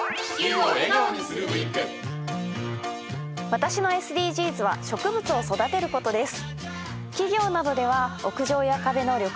私のＳＤＧｓは植物を育てることです。